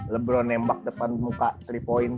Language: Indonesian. lebro nembak depan muka tiga point